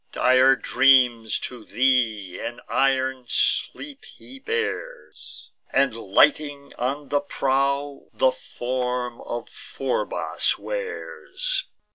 Dire dreams to thee, and iron sleep, he bears; And, lighting on thy prow, the form of Phorbas wears.